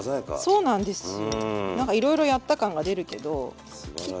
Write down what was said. そうなんですよ。